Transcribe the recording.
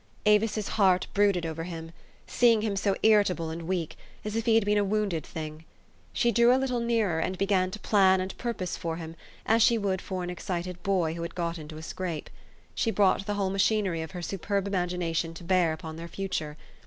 Avis' s heart brooded over him, seeing him so irritable and weak, as if he had been a wounded thing. She drew a little nearer, and began to plan and purpose for him, as she would for an excited boy who had got into a scrape. She brought the whole machinery of her superb imagination to bear upon their future.